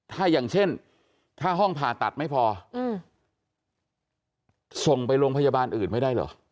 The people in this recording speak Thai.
ถ้าอย่างเช่นถ้าห้องผ่าตัดไม่พอส่งไปโรงพยาบาลอื่นไม่ได้เหรอ